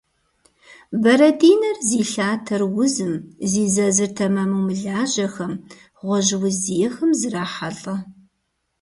Бэрэтӏинэр зи лъатэр узым, зи зэзыр тэмэму мылажьэхэм, гъуэжь уз зиӏэхэми зрахьэлӏэ.